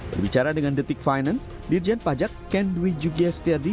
berbicara dengan detik finance dirjen pajak ken dwi jugiastiardi